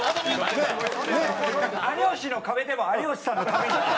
『有吉の壁』でも「有吉さんのために」って。